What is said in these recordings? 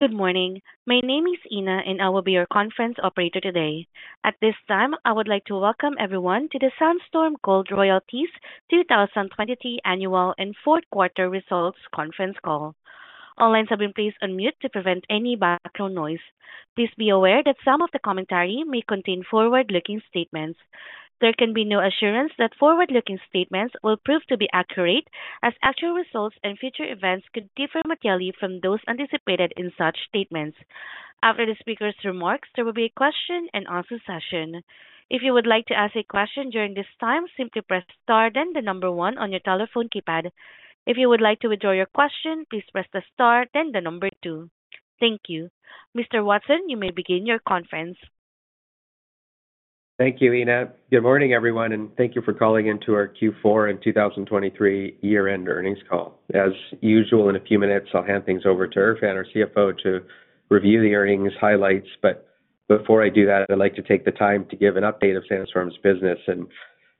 Good morning. My name is Ina and I will be your conference operator today. At this time, I would like to welcome everyone to the Sandstorm Gold Royalties' 2023 Annual and Fourth Quarter Results Conference Call. Online participants are pleased to unmute to prevent any background noise. Please be aware that some of the commentary may contain forward-looking statements. There can be no assurance that forward-looking statements will prove to be accurate, as actual results and future events could differ materially from those anticipated in such statements. After the speaker's remarks, there will be a question-and-answer session. If you would like to ask a question during this time, simply press star then the number 1 on your telephone keypad. If you would like to withdraw your question, please press star then the number 2. Thank you. Mr. Watson, you may begin your conference. Thank you, Ina. Good morning, everyone, and thank you for calling into our Q4 and 2023 year-end earnings call. As usual, in a few minutes I'll hand things over to Erfan, our CFO, to review the earnings highlights, but before I do that I'd like to take the time to give an update of Sandstorm's business and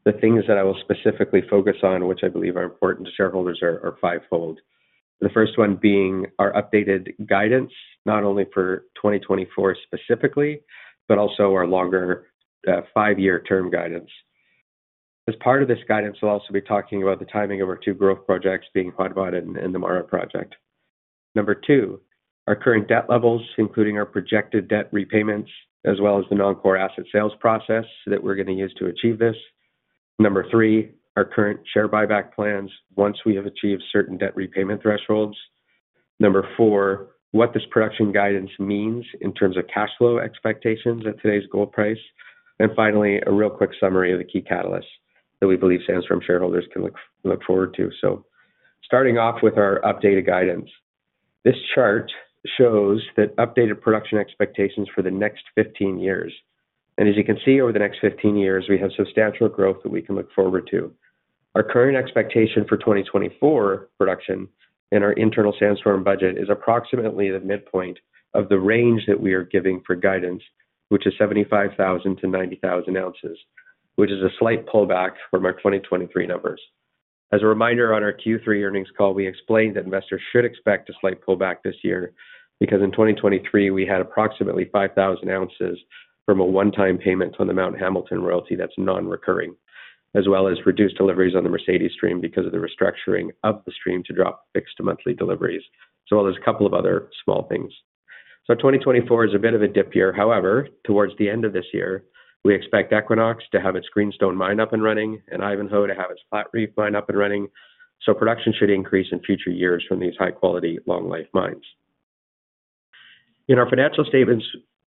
the things that I will specifically focus on, which I believe are important to shareholders, are five-fold. The first one being our updated guidance, not only for 2024 specifically, but also our longer five-year term guidance. As part of this guidance we'll also be talking about the timing of our two growth projects being Hod Maden and the MARA Project. Number two, our current debt levels, including our projected debt repayments, as well as the non-core asset sales process that we're going to use to achieve this. Number three, our current share buyback plans once we have achieved certain debt repayment thresholds. Number four, what this production guidance means in terms of cash flow expectations at today's gold price. And finally, a real quick summary of the key catalysts that we believe Sandstorm shareholders can look forward to. So starting off with our updated guidance. This chart shows the updated production expectations for the next 15 years. And as you can see, over the next 15 years we have substantial growth that we can look forward to. Our current expectation for 2024 production in our internal Sandstorm budget is approximately the midpoint of the range that we are giving for guidance, which is 75,000-90,000 ounces, which is a slight pullback from our 2023 numbers. As a reminder, on our Q3 earnings call we explained that investors should expect a slight pullback this year because in 2023 we had approximately 5,000 ounces from a one-time payment on the Mount Hamilton royalty that's non-recurring, as well as reduced deliveries on the Mercedes stream because of the restructuring of the stream to drop fixed-to-monthly deliveries, as well as a couple of other small things. So, 2024 is a bit of a dip year. However, towards the end of this year we expect Equinox to have its Greenstone mine up and running and Ivanhoe to have its Flatreef mine up and running. So production should increase in future years from these high-quality, long-life mines. In our financial statements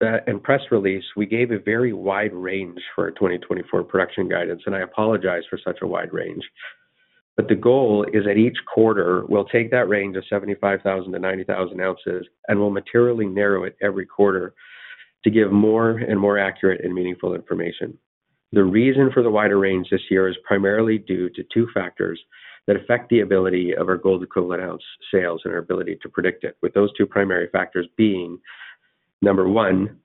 and press release we gave a very wide range for our 2024 production guidance, and I apologize for such a wide range. But the goal is that each quarter we'll take that range of 75,000-90,000 ounces and we'll materially narrow it every quarter to give more and more accurate and meaningful information. The reason for the wider range this year is primarily due to two factors that affect the ability of our gold equivalent ounce sales and our ability to predict it, with those two primary factors being: number one,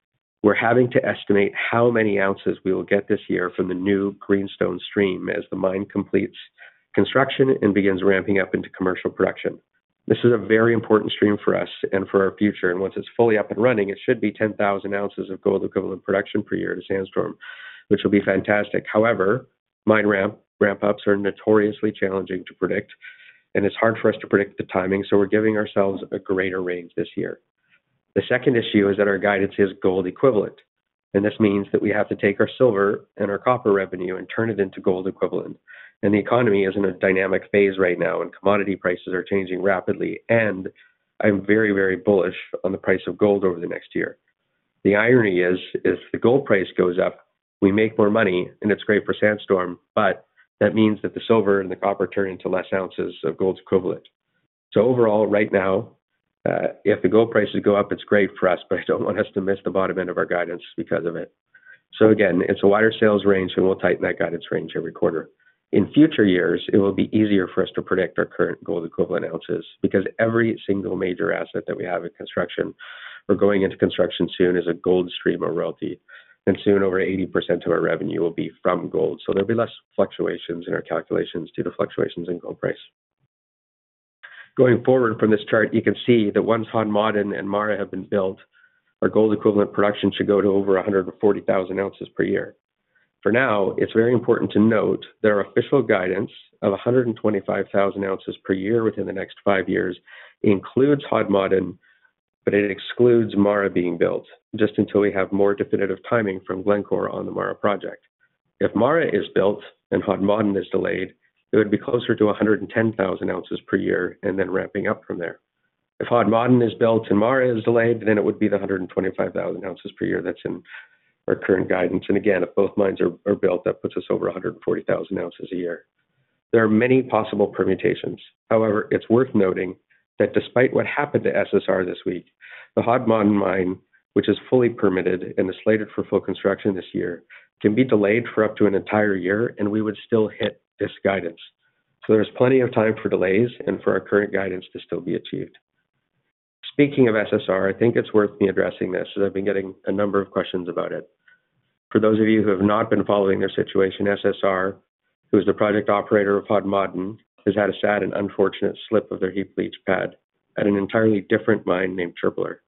we're having to estimate how many ounces we will get this year from the new Greenstone stream as the mine completes construction and begins ramping up into commercial production. This is a very important stream for us and for our future, and once it's fully up and running it should be 10,000 ounces of gold equivalent production per year to Sandstorm, which will be fantastic. However, mine ramp-ups are notoriously challenging to predict, and it's hard for us to predict the timing, so we're giving ourselves a greater range this year. The second issue is that our guidance is gold equivalent, and this means that we have to take our silver and our copper revenue and turn it into gold equivalent. The economy is in a dynamic phase right now, and commodity prices are changing rapidly, and I'm very, very bullish on the price of gold over the next year. The irony is, if the gold price goes up, we make more money, and it's great for Sandstorm, but that means that the silver and the copper turn into less ounces of gold equivalent. Overall, right now, if the gold prices go up it's great for us, but I don't want us to miss the bottom end of our guidance because of it. So again, it's a wider sales range, and we'll tighten that guidance range every quarter. In future years it will be easier for us to predict our current gold equivalent ounces because every single major asset that we have in construction or going into construction soon is a gold stream or royalty, and soon over 80% of our revenue will be from gold. So there'll be less fluctuations in our calculations due to fluctuations in gold price. Going forward from this chart you can see that once Hod Maden and Mara have been built our gold equivalent production should go to over 140,000 ounces per year. For now, it's very important to note that our official guidance of 125,000 ounces per year within the next five years includes Hod Maden, but it excludes Mara being built, just until we have more definitive timing from Glencore on the Mara project. If MARA is built and Hod Maden is delayed it would be closer to 110,000 ounces per year and then ramping up from there. If Hod Maden is built and MARA is delayed then it would be the 125,000 ounces per year that's in our current guidance, and again, if both mines are built that puts us over 140,000 ounces a year. There are many possible permutations. However, it's worth noting that despite what happened to SSR this week the Hod Maden mine, which is fully permitted and is slated for full construction this year, can be delayed for up to an entire year and we would still hit this guidance. So there's plenty of time for delays and for our current guidance to still be achieved. Speaking of SSR, I think it's worth me addressing this as I've been getting a number of questions about it. For those of you who have not been following their situation, SSR, who is the project operator of Hod Maden, has had a sad and unfortunate slip of their heap leach pad at an entirely different mine named Çöpler.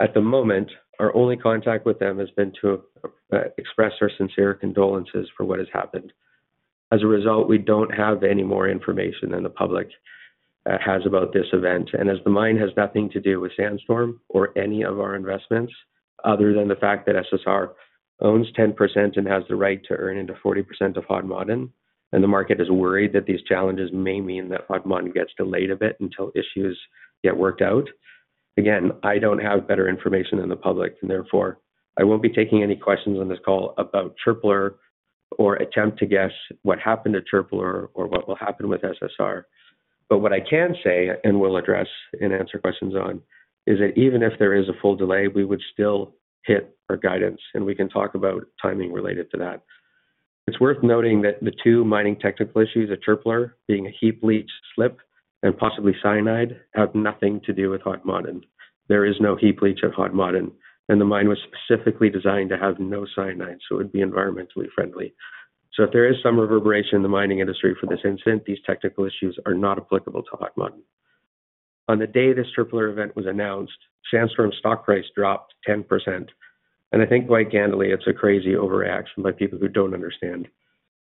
At the moment, our only contact with them has been to express our sincere condolences for what has happened. As a result, we don't have any more information than the public has about this event, and as the mine has nothing to do with Sandstorm or any of our investments other than the fact that SSR owns 10% and has the right to earn into 40% of Hod Maden, and the market is worried that these challenges may mean that Hod Maden gets delayed a bit until issues get worked out. Again, I don't have better information than the public, and therefore I won't be taking any questions on this call about Çöpler or attempt to guess what happened to Çöpler or what will happen with SSR. But what I can say and will address and answer questions on is that even if there is a full delay we would still hit our guidance, and we can talk about timing related to that. It's worth noting that the two mining technical issues, at Çöpler being a heap leach slip and possibly cyanide, have nothing to do with Hod Maden. There is no heap leach at Hod Maden, and the mine was specifically designed to have no cyanide, so it would be environmentally friendly. So, if there is some reverberation in the mining industry for this incident, these technical issues are not applicable to Hod Maden. On the day this Tripler event was announced, Sandstorm's stock price dropped 10%, and I think quite candidly it's a crazy overreaction by people who don't understand.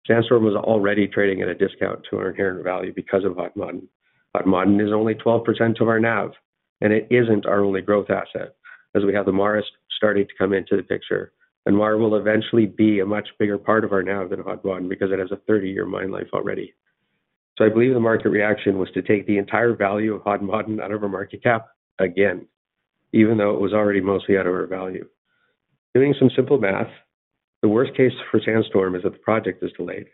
Sandstorm was already trading at a discount to our inherent value because of Hod Maden. Hod Maden is only 12% of our NAV, and it isn't our only growth asset as we have the Mara starting to come into the picture, and Mara will eventually be a much bigger part of our NAV than Hod Maden because it has a 30-year mine life already. So I believe the market reaction was to take the entire value of Hod Maden out of our market cap again, even though it was already mostly out of our value. Doing some simple math, the worst case for Sandstorm is that the project is delayed.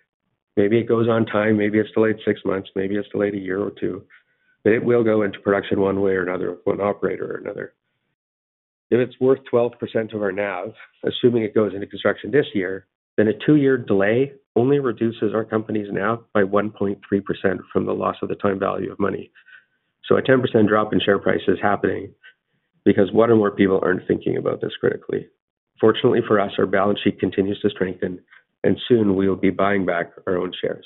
Maybe it goes on time, maybe it's delayed six months, maybe it's delayed one year or two, but it will go into production one way or another with one operator or another. If it's worth 12% of our NAV, assuming it goes into construction this year, then a two-year delay only reduces our company's NAV by 1.3% from the loss of the time value of money. A 10% drop in share price is happening because what are more people aren't thinking about this critically. Fortunately for us, our balance sheet continues to strengthen, and soon we will be buying back our own shares.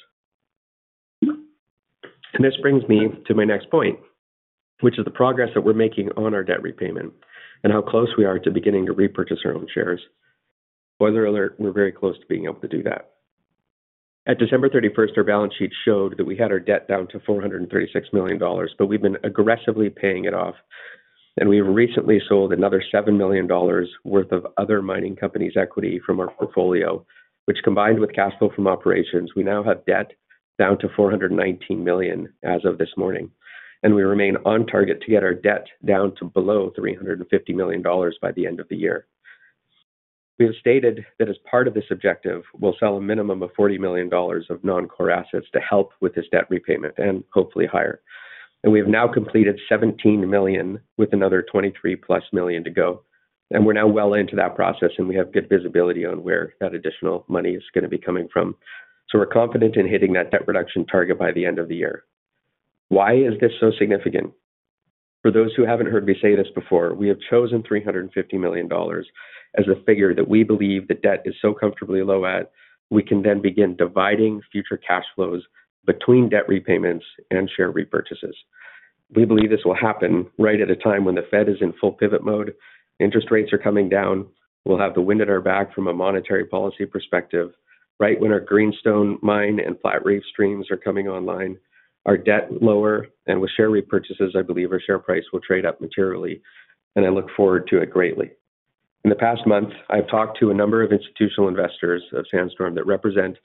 This brings me to my next point, which is the progress that we're making on our debt repayment and how close we are to beginning to repurchase our own shares. Weather alert, we're very close to being able to do that. At December 31st, our balance sheet showed that we had our debt down to $436 million, but we've been aggressively paying it off, and we've recently sold another $7 million worth of other mining companies' equity from our portfolio, which combined with cash flow from operations, we now have debt down to $419 million as of this morning, and we remain on target to get our debt down to below $350 million by the end of the year. We have stated that as part of this objective we'll sell a minimum of $40 million of non-core assets to help with this debt repayment and hopefully higher. We have now completed $17 million with another $23 million+ to go, and we're now well into that process and we have good visibility on where that additional money is going to be coming from. So we're confident in hitting that debt reduction target by the end of the year. Why is this so significant? For those who haven't heard me say this before, we have chosen $350 million as the figure that we believe the debt is so comfortably low at we can then begin dividing future cash flows between debt repayments and share repurchases. We believe this will happen right at a time when the Fed is in full pivot mode, interest rates are coming down, we'll have the wind at our back from a monetary policy perspective, right when our Greenstone mine and Flat Reef streams are coming online, our debt lower, and with share repurchases I believe our share price will trade up materially, and I look forward to it greatly. In the past month I've talked to a number of institutional investors of Sandstorm that represent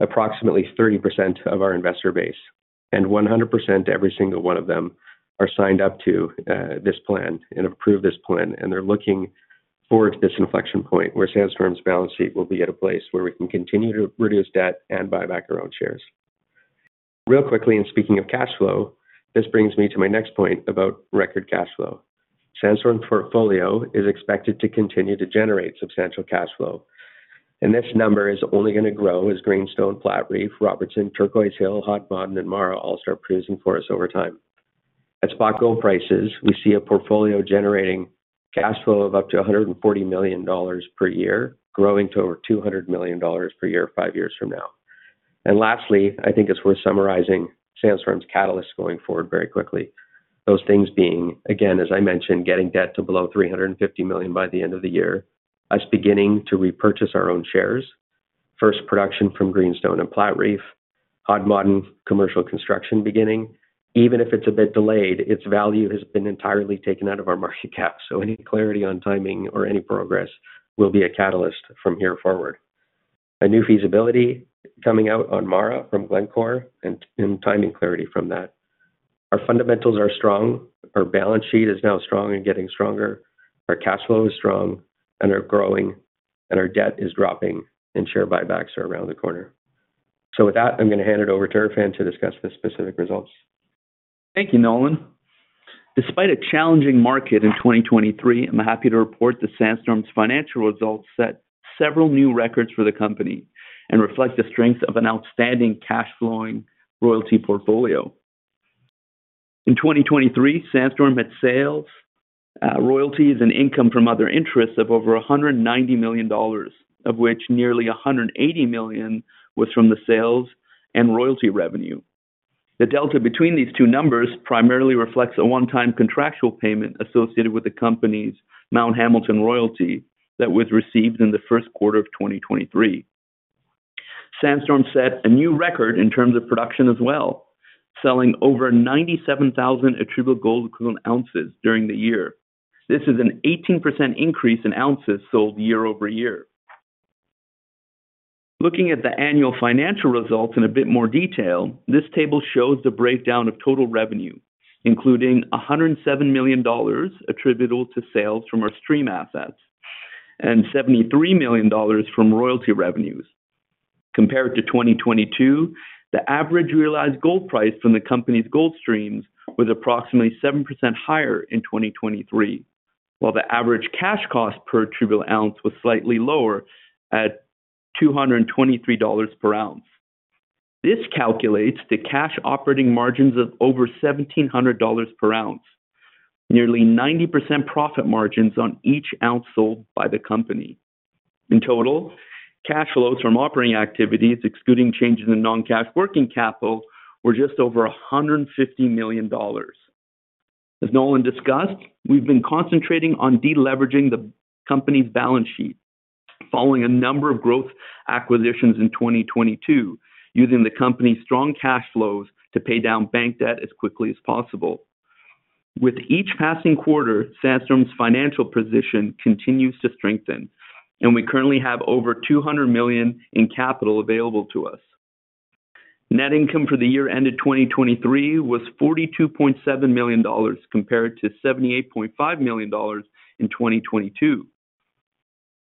approximately 30% of our investor base, and 100% every single one of them are signed up to this plan and have approved this plan, and they're looking forward to this inflection point where Sandstorm's balance sheet will be at a place where we can continue to reduce debt and buy back our own shares. Real quickly, and speaking of cash flow, this brings me to my next point about record cash flow. Sandstorm's portfolio is expected to continue to generate substantial cash flow, and this number is only going to grow as Greenstone, Flat Reef, Robertson, Turquoise Ridge, Hod Maden, and MARA all start producing for us over time. At spot gold prices we see a portfolio generating cash flow of up to $140 million per year, growing to over $200 million per year five years from now. And lastly, I think it's worth summarizing Sandstorm's catalysts going forward very quickly. Those things being, again, as I mentioned, getting debt to below $350 million by the end of the year, us beginning to repurchase our own shares, first production from Greenstone and Flat Reef, Hod Maden commercial construction beginning. Even if it's a bit delayed, its value has been entirely taken out of our market cap, so any clarity on timing or any progress will be a catalyst from here forward. A new feasibility coming out on MARA from Glencore and timing clarity from that. Our fundamentals are strong, our balance sheet is now strong and getting stronger, our cash flow is strong and are growing, and our debt is dropping and share buybacks are around the corner. So with that I'm going to hand it over to Erfan to discuss the specific results. Thank you, Nolan. Despite a challenging market in 2023, I'm happy to report that Sandstorm's financial results set several new records for the company and reflect the strength of an outstanding cash-flowing royalty portfolio. In 2023, Sandstorm had sales, royalties, and income from other interests of over $190 million, of which nearly $180 million was from the sales and royalty revenue. The delta between these two numbers primarily reflects a one-time contractual payment associated with the company's Mount Hamilton royalty that was received in the first quarter of 2023. Sandstorm set a new record in terms of production as well, selling over 97,000 attributable gold equivalent ounces during the year. This is an 18% increase in ounces sold year-over-year. Looking at the annual financial results in a bit more detail, this table shows the breakdown of total revenue, including $107 million attributable to sales from our stream assets and $73 million from royalty revenues. Compared to 2022, the average realized gold price from the company's gold streams was approximately 7% higher in 2023, while the average cash cost per attributable ounce was slightly lower at $223 per ounce. This calculates the cash operating margins of over $1,700 per ounce, nearly 90% profit margins on each ounce sold by the company. In total, cash flows from operating activities excluding changes in non-cash working capital were just over $150 million. As Nolan discussed, we've been concentrating on deleveraging the company's balance sheet, following a number of growth acquisitions in 2022 using the company's strong cash flows to pay down bank debt as quickly as possible. With each passing quarter, Sandstorm's financial position continues to strengthen, and we currently have over $200 million in capital available to us. Net income for the year ended 2023 was $42.7 million compared to $78.5 million in 2022.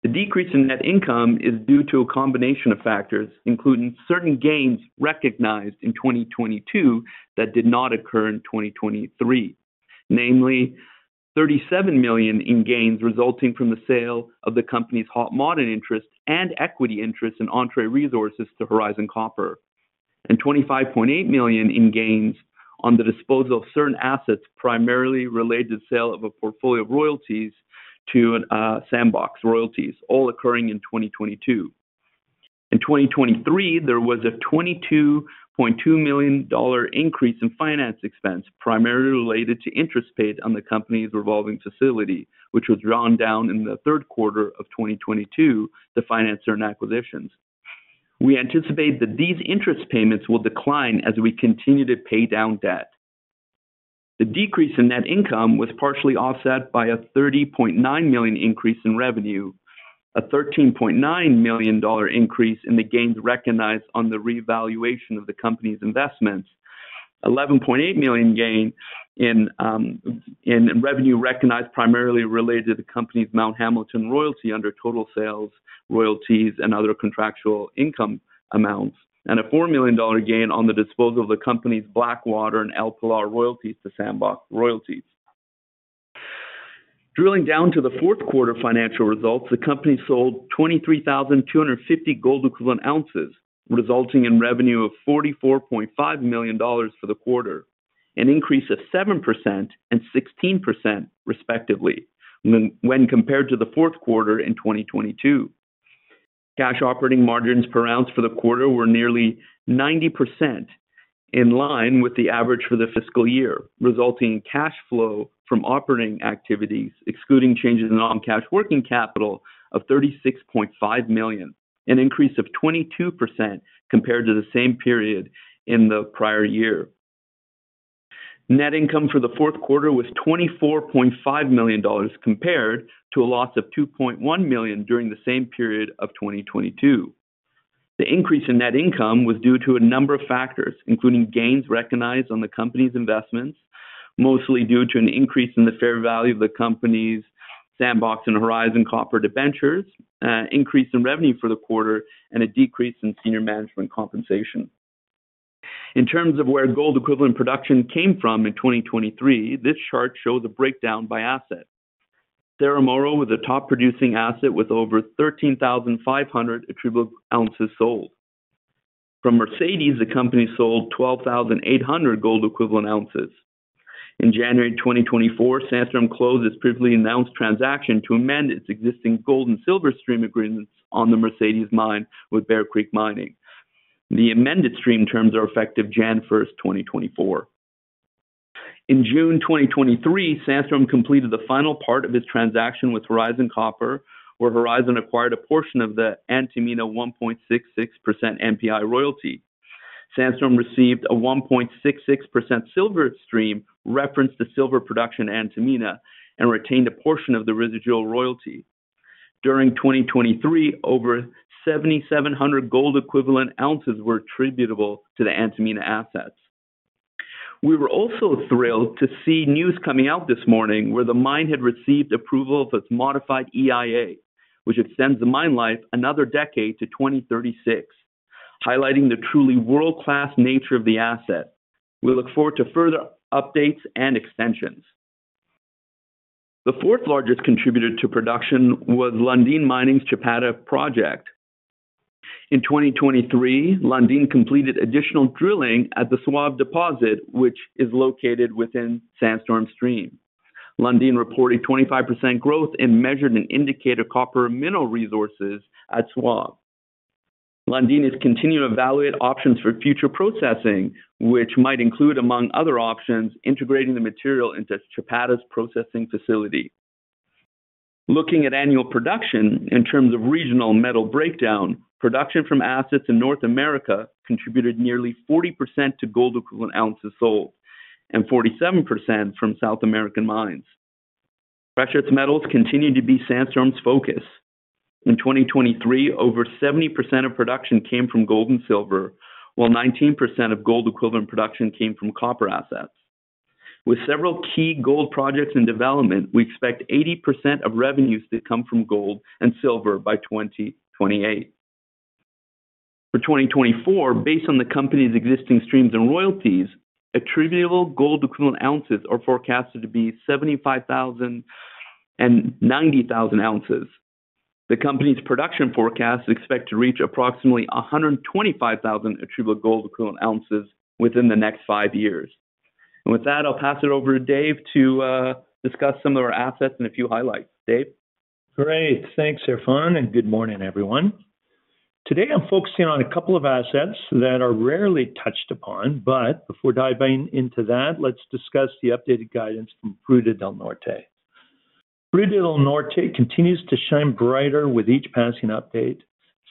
The decrease in net income is due to a combination of factors, including certain gains recognized in 2022 that did not occur in 2023, namely $37 million in gains resulting from the sale of the company's Hod Maden interest and equity interest in Entrée Resources to Horizon Copper, and $25.8 million in gains on the disposal of certain assets primarily related to the sale of a portfolio of royalties to Sandbox Royalties, all occurring in 2022. In 2023, there was a $22.2 million increase in finance expense primarily related to interest paid on the company's revolving facility, which was drawn down in the third quarter of 2022 to finance earned acquisitions. We anticipate that these interest payments will decline as we continue to pay down debt. The decrease in net income was partially offset by a $30.9 million increase in revenue, a $13.9 million increase in the gains recognized on the revaluation of the company's investments, an $11.8 million gain in revenue recognized primarily related to the company's Mount Hamilton royalty under total sales, royalties, and other contractual income amounts, and a $4 million gain on the disposal of the company's Blackwater and El Peñón royalties to Sandbox Royalties. Drilling down to the fourth quarter financial results, the company sold 23,250 gold equivalent ounces, resulting in revenue of $44.5 million for the quarter, an increase of 7% and 16% respectively when compared to the fourth quarter in 2022. Cash operating margins per ounce for the quarter were nearly 90% in line with the average for the fiscal year, resulting in cash flow from operating activities excluding changes in non-cash working capital of $36.5 million, an increase of 22% compared to the same period in the prior year. Net income for the fourth quarter was $24.5 million compared to a loss of $2.1 million during the same period of 2022. The increase in net income was due to a number of factors, including gains recognized on the company's investments, mostly due to an increase in the fair value of the company's Sandbox and Horizon Copper debentures, an increase in revenue for the quarter, and a decrease in senior management compensation. In terms of where gold equivalent production came from in 2023, this chart shows a breakdown by asset. Cöpler was the top-producing asset with over 13,500 attributable ounces sold. From Mercedes, the company sold 12,800 gold equivalent ounces. In January 2024, Sandstorm closed its previously announced transaction to amend its existing gold and silver stream agreements on the Mercedes mine with Bear Creek Mining. The amended stream terms are effective January 1st, 2024. In June 2023, Sandstorm completed the final part of its transaction with Horizon Copper, where Horizon acquired a portion of the Antamina 1.66% NPI royalty. Sandstorm received a 1.66% silver stream referenced to silver production at Antamina and retained a portion of the residual royalty. During 2023, over 7,700 gold equivalent ounces were attributable to the Antamina assets. We were also thrilled to see news coming out this morning where the mine had received approval of its modified EIA, which extends the mine life another decade to 2036, highlighting the truly world-class nature of the asset. We look forward to further updates and extensions. The fourth largest contributor to production was Lundin Mining's Chapada project. In 2023, Lundin completed additional drilling at the Swab deposit, which is located within Sandstorm's stream. Lundin reported 25% growth and measured and indicator copper mineral resources at Saúva. Lundin is continuing to evaluate options for future processing, which might include, among other options, integrating the material into Chapada's processing facility. Looking at annual production in terms of regional metal breakdown, production from assets in North America contributed nearly 40% to gold equivalent ounces sold and 47% from South American mines. Precious metals continue to be Sandstorm's focus. In 2023, over 70% of production came from gold and silver, while 19% of gold equivalent production came from copper assets. With several key gold projects in development, we expect 80% of revenues to come from gold and silver by 2028. For 2024, based on the company's existing streams and royalties, attributable gold equivalent ounces are forecasted to be 75,000 and 90,000 ounces. The company's production forecasts expect to reach approximately 125,000 attributable gold equivalent ounces within the next five years. With that, I'll pass it over to Dave to discuss some of our assets and a few highlights. Dave? Great. Thanks, Erfan, and good morning, everyone. Today I'm focusing on a couple of assets that are rarely touched upon, but before diving into that, let's discuss the updated guidance from Fruta del Norte. Fruta del Norte continues to shine brighter with each passing update.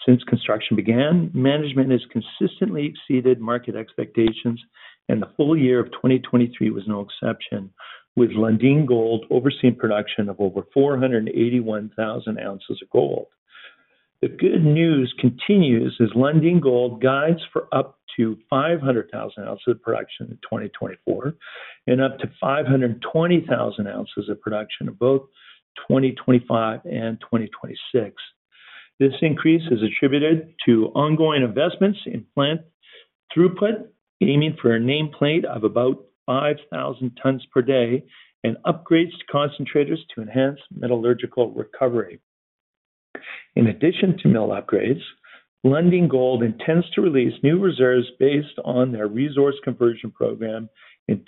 Since construction began, management has consistently exceeded market expectations, and the full year of 2023 was no exception, with Lundin Gold overseeing production of over 481,000 ounces of gold. The good news continues as Lundin Gold guides for up to 500,000 ounces of production in 2024 and up to 520,000 ounces of production of both 2025 and 2026. This increase is attributed to ongoing investments in plant throughput, aiming for a nameplate of about 5,000 tons per day, and upgrades to concentrators to enhance metallurgical recovery. In addition to mill upgrades, Lundin Gold intends to release new reserves based on their resource conversion program in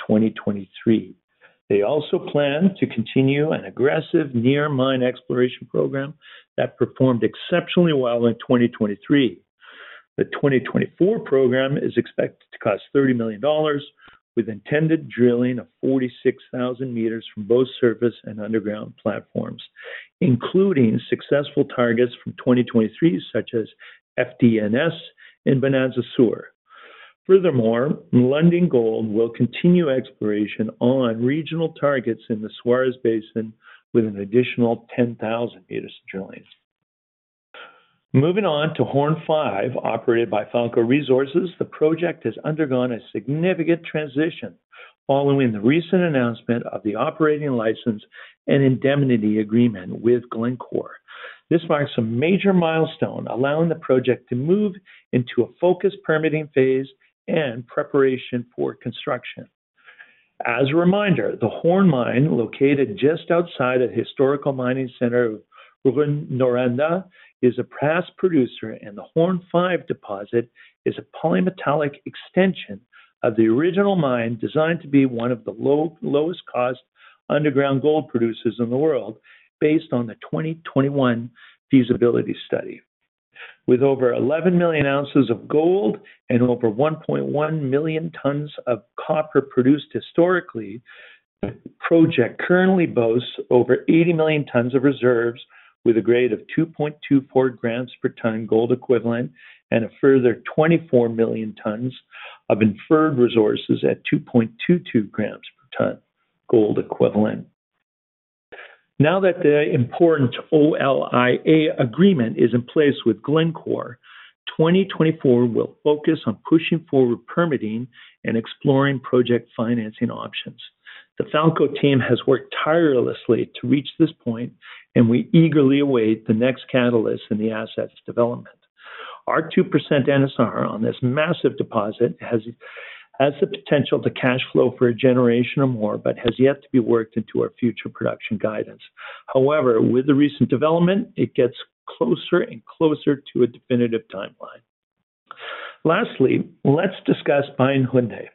2023. They also plan to continue an aggressive near-mine exploration program that performed exceptionally well in 2023. The 2024 program is expected to cost $30 million, with intended drilling of 46,000 meters from both surface and underground platforms, including successful targets from 2023 such as FDN South in Bonanza Sur. Furthermore, Lundin Gold will continue exploration on regional targets in the Suarez Basin with an additional 10,000 meters of drilling. Moving on to Horne 5, operated by Falco Resources, the project has undergone a significant transition following the recent announcement of the operating license and indemnity agreement with Glencore. This marks a major milestone, allowing the project to move into a focused permitting phase and preparation for construction. As a reminder, the Horne mine located just outside of the historical mining center of Rouyn-Noranda is a past producer, and the Horne 5 deposit is a polymetallic extension of the original mine designed to be one of the lowest-cost underground gold producers in the world based on the 2021 feasibility study. With over 11 million ounces of gold and over 1.1 million tons of copper produced historically, the project currently boasts over 80 million tons of reserves with a grade of 2.24 grams per ton gold equivalent and a further 24 million tons of inferred resources at 2.22 grams per ton gold equivalent. Now that the important OLIA agreement is in place with Glencore, 2024 will focus on pushing forward permitting and exploring project financing options. The Falco team has worked tirelessly to reach this point, and we eagerly await the next catalyst in the assets' development. Our 2% NSR on this massive deposit has the potential to cash flow for a generation or more, but has yet to be worked into our future production guidance. However, with the recent development, it gets closer and closer to a definitive timeline. Lastly, let's discuss Bayan Khundii.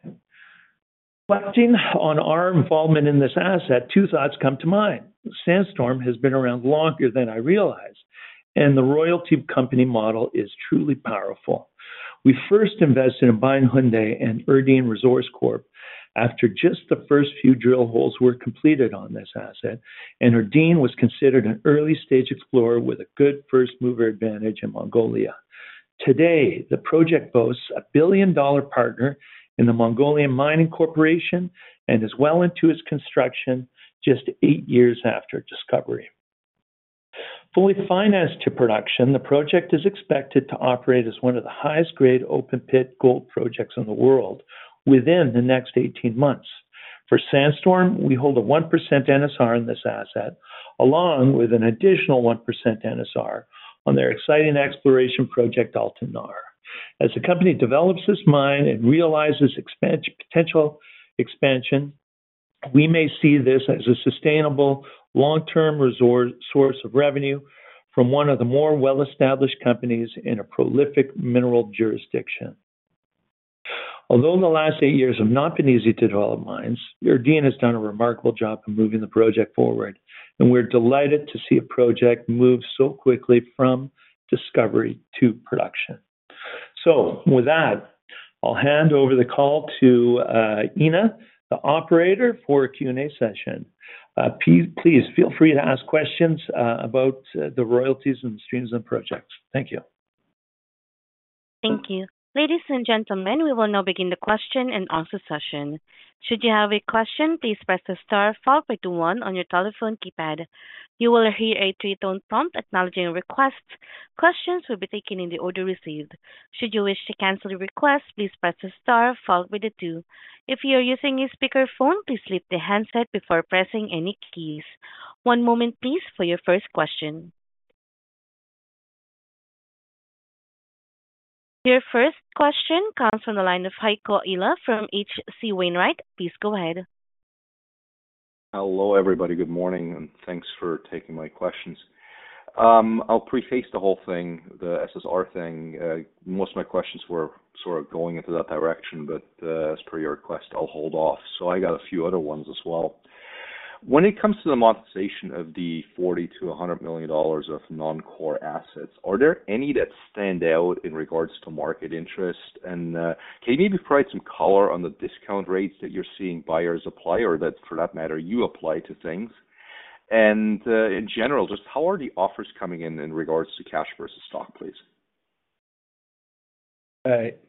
Reflecting on our involvement in this asset, two thoughts come to mind. Sandstorm has been around longer than I realized, and the royalty company model is truly powerful. We first invested in Bayan Khundii and Erdene Resource Development Corp. after just the first few drill holes were completed on this asset, and Erdene was considered an early-stage explorer with a good first-mover advantage in Mongolia. Today, the project boasts a billion-dollar partner in the Mongolian Mining Corporation and is well into its construction just eight years after discovery. Fully financed to production, the project is expected to operate as one of the highest-grade open-pit gold projects in the world within the next 18 months. For Sandstorm, we hold a 1% NSR in this asset, along with an additional 1% NSR on their exciting exploration project, Alfanar. As the company develops this mine and realizes potential expansion, we may see this as a sustainable, long-term source of revenue from one of the more well-established companies in a prolific mineral jurisdiction. Although the last eight years have not been easy to develop mines, Erdene has done a remarkable job in moving the project forward, and we're delighted to see a project move so quickly from discovery to production. With that, I'll hand over the call to Ina, the operator for a Q&A session. Please feel free to ask questions about the royalties and the streams and projects. Thank you. Thank you. Ladies and gentlemen, we will now begin the question and answer session. Should you have a question, please press the star followed by the one on your telephone keypad. You will hear a three-tone prompt acknowledging a request. Questions will be taken in the order received. Should you wish to cancel a request, please press the star followed by the two. If you are using a speakerphone, please leave the handset before pressing any keys. One moment, please, for your first question. Your first question comes from the line of Heiko Ihle from H.C. Wainwright. Please go ahead. Hello, everybody. Good morning, and thanks for taking my questions. I'll preface the whole thing, the SSR thing. Most of my questions were sort of going into that direction, but as per your request, I'll hold off. So I got a few other ones as well. When it comes to the monetization of the $40-$100 million of non-core assets, are there any that stand out in regards to market interest? And can you maybe provide some color on the discount rates that you're seeing buyers apply or that, for that matter, you apply to things? And in general, just how are the offers coming in in regards to cash versus stock, please?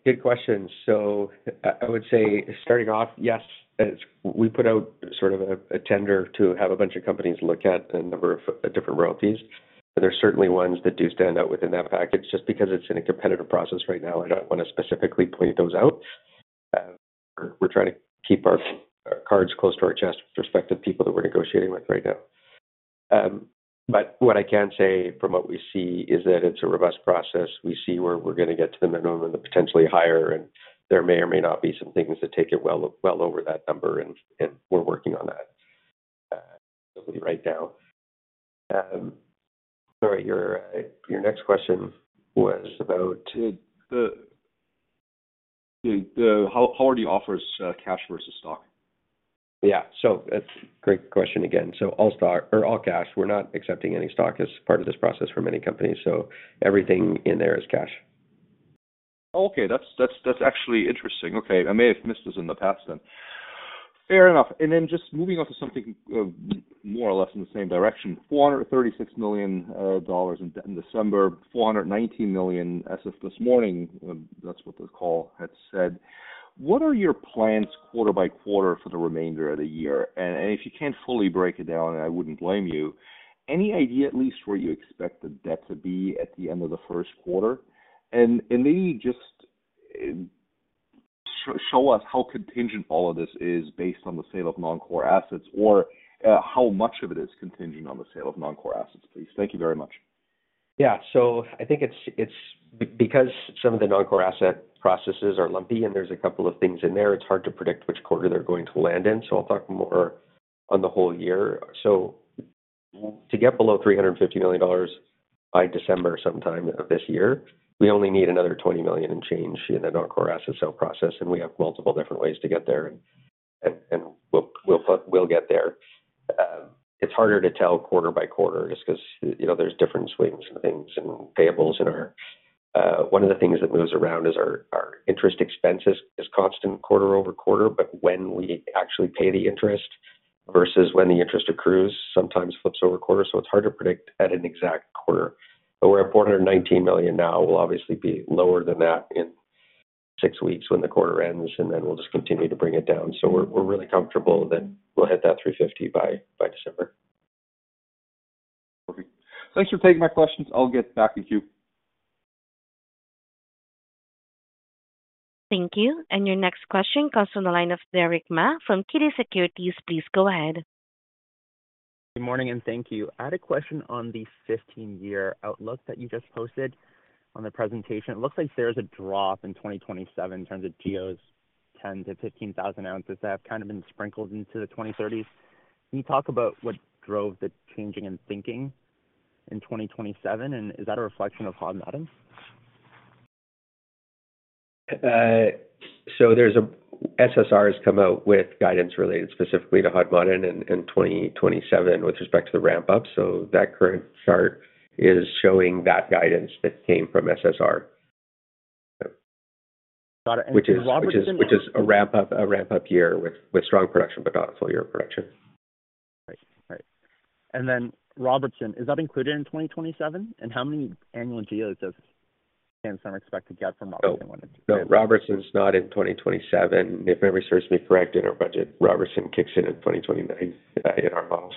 Good question. So I would say starting off, yes, we put out sort of a tender to have a bunch of companies look at a number of different royalties. There are certainly ones that do stand out within that package. Just because it's in a competitive process right now, I don't want to specifically point those out. We're trying to keep our cards close to our chest with respect to the people that we're negotiating with right now. But what I can say from what we see is that it's a robust process. We see where we're going to get to the minimum and the potentially higher, and there may or may not be some things that take it well over that number, and we're working on that right now. All right, your next question was about. How are the offers cash versus stock? Yeah, so great question again. So all stock or all cash. We're not accepting any stock as part of this process for many companies, so everything in there is cash. Okay, that's actually interesting. Okay, I may have missed this in the past then. Fair enough. And then just moving on to something more or less in the same direction, $436 million in December, $419 million as of this morning, that's what the call had said. What are your plans quarter by quarter for the remainder of the year? And if you can't fully break it down, and I wouldn't blame you, any idea at least where you expect the debt to be at the end of the first quarter? And maybe just show us how contingent all of this is based on the sale of non-core assets or how much of it is contingent on the sale of non-core assets, please. Thank you very much. Yeah, so I think it's because some of the non-core asset processes are lumpy and there's a couple of things in there, it's hard to predict which quarter they're going to land in. So I'll talk more on the whole year. So to get below $350 million by December sometime of this year, we only need another $20 million and change in the non-core asset sale process, and we have multiple different ways to get there, and we'll get there. It's harder to tell quarter by quarter just because there's different swings and things and payables in our one of the things that moves around is our interest expenses is constant quarter-over-quarter, but when we actually pay the interest versus when the interest accrues sometimes flips over quarter. So it's hard to predict at an exact quarter. But where $419 million now will obviously be lower than that in six weeks when the quarter ends, and then we'll just continue to bring it down. So we're really comfortable that we'll hit that $350 million by December. Perfect. Thanks for taking my questions. I'll get back to you. Thank you. Your next question comes from the line of Derick Ma from Scotiabank. Please go ahead. Good morning, and thank you. I had a question on the 15-year outlook that you just posted on the presentation. It looks like there's a drop in 2027 in terms of GOs, 10-15 thousand ounces that have kind of been sprinkled into the 2030s. Can you talk about what drove the changing in thinking in 2027, and is that a reflection of Hod Maden? SSR has come out with guidance related specifically to Hod Maden in 2027 with respect to the ramp-up. That current chart is showing that guidance that came from SSR, which is a ramp-up year with strong production, but not a full-year production. Right. Right. And then Robertson, is that included in 2027? And how many annual GOs does Sandstorm expect to get from Robertson when it enters? No, Robertson's not in 2027. If memory serves me correct in our budget, Robertson kicks in in 2029 in our models.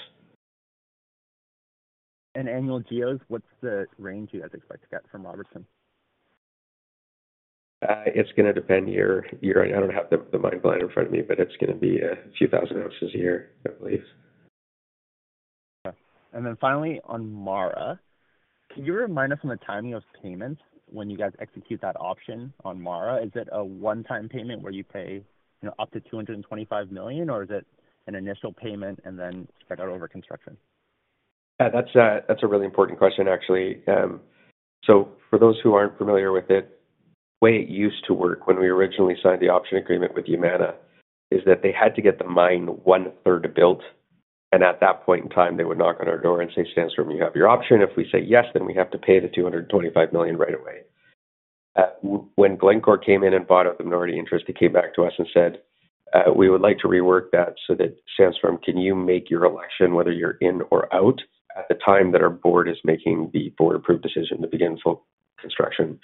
Annual GEOs, what's the range you guys expect to get from Robertson? It's going to depend, year. I don't have the mine plan in front of me, but it's going to be a few thousand ounces a year, I believe. Okay. And then finally, on MARA, can you remind us on the timing of payments when you guys execute that option on MARA? Is it a one-time payment where you pay up to $225 million, or is it an initial payment and then spread out over construction? Yeah, that's a really important question, actually. So for those who aren't familiar with it, the way it used to work when we originally signed the option agreement with Yamana is that they had to get the mine one-third built. And at that point in time, they would knock on our door and say, "Sandstorm, you have your option. If we say yes, then we have to pay the $225 million right away." When Glencore came in and bought out the minority interest, they came back to us and said, "We would like to rework that so that Sandstorm, can you make your election whether you're in or out at the time that our board is making the board-approved decision to begin full construction?"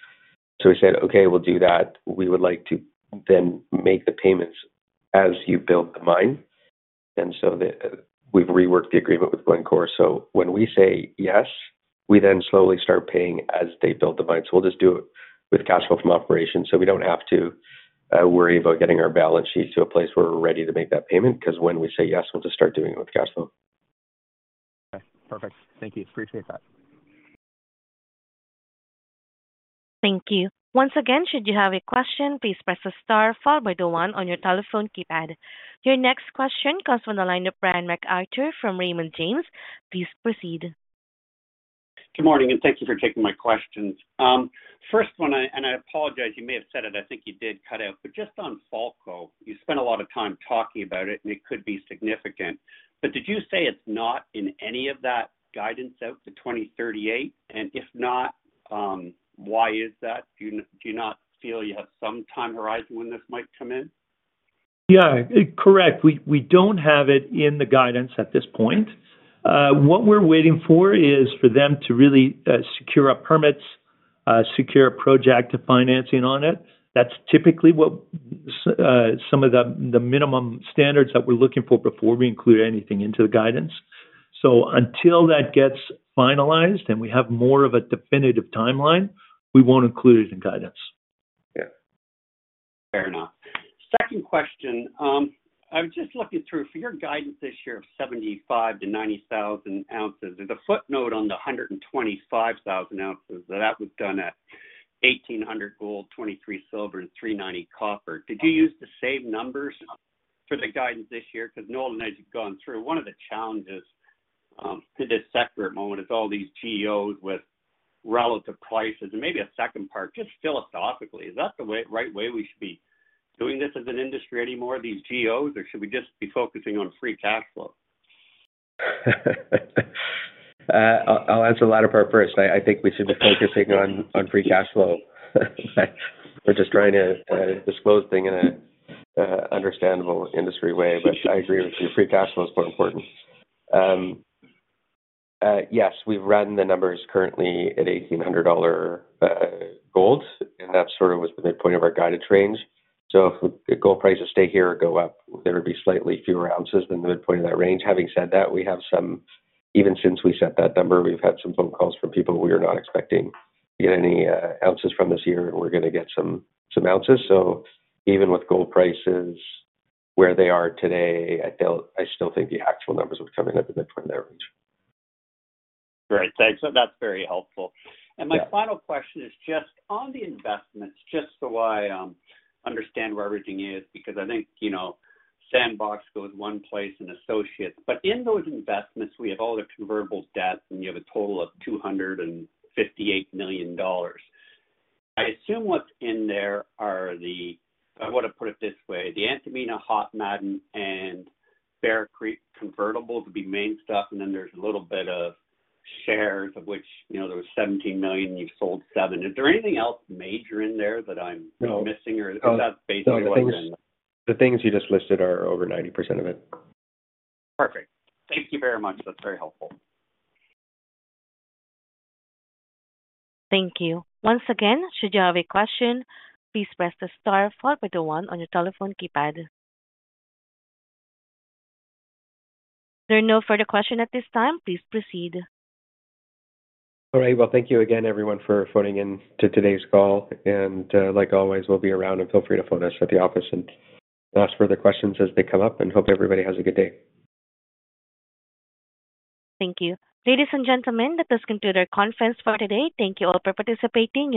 So we said, "Okay, we'll do that. We would like to then make the payments as you build the mine." We've reworked the agreement with Glencore. When we say yes, we then slowly start paying as they build the mine. We'll just do it with cash flow from operations so we don't have to worry about getting our balance sheet to a place where we're ready to make that payment because when we say yes, we'll just start doing it with cash flow. Okay. Perfect. Thank you. Appreciate that. Thank you. Once again, should you have a question, please press the star followed by the one on your telephone keypad. Your next question comes from the line of Brian MacArthur from Raymond James. Please proceed. Good morning, and thank you for taking my questions. First one, and I apologize, you may have said it. I think you did cut out. But just on Falco, you spent a lot of time talking about it, and it could be significant. But did you say it's not in any of that guidance out to 2038? And if not, why is that? Do you not feel you have some time horizon when this might come in? Yeah, correct. We don't have it in the guidance at this point. What we're waiting for is for them to really secure up permits, secure a project of financing on it. That's typically what some of the minimum standards that we're looking for before we include anything into the guidance. So, until that gets finalized and we have more of a definitive timeline, we won't include it in guidance. Yeah. Fair enough. Second question. I was just looking through. For your guidance this year of 75,000-90,000 ounces, there's a footnote on the 125,000 ounces that that was done at $1,800 gold, $23 silver, and $3.90 copper. Did you use the same numbers for the ounces this year? Because Nolan, as you've gone through, one of the challenges in this sector at the moment is all these GEOs with relative prices. And maybe a second part, just philosophically, is that the right way we should be doing this as an industry anymore, these GEOs, or should we just be focusing on free cash flow? I'll answer the latter part first. I think we should be focusing on free cash flow. We're just trying to disclose things in an understandable industry way, but I agree with you. Free cash flow is more important. Yes, we've run the numbers currently at $1,800 gold, and that sort of was the midpoint of our guidance range. So, if the gold prices stay here or go up, there would be slightly fewer ounces than the midpoint of that range. Having said that, we have some even since we set that number, we've had some phone calls from people we were not expecting to get any ounces from this year, and we're going to get some ounces. So even with gold prices where they are today, I still think the actual numbers would come in at the midpoint of that range. Great. Thanks. That's very helpful. And my final question is just on the investments, just so I understand where everything is, because I think Sandbox goes one place and associates. But in those investments, we have all the convertible debt, and you have a total of $258 million. I assume what's in there are the I want to put it this way, the Antamina, Hod Maden, and Bear Creek convertibles would be main stuff, and then there's a little bit of shares of which there was 17 million, and you've sold seven. Is there anything else major in there that I'm missing, or is that basically all you've got? No, I think the things you just listed are over 90% of it. Perfect. Thank you very much. That's very helpful. Thank you. Once again, should you have a question, please press the star followed by the one on your telephone keypad. There are no further questions at this time. Please proceed. All right. Well, thank you again, everyone, for phoning into today's call. Like always, we'll be around, and feel free to phone us at the office and ask further questions as they come up. Hope everybody has a good day. Thank you. Ladies and gentlemen, that does conclude our conference for today. Thank you all for participating.